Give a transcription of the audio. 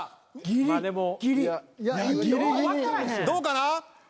どうかな？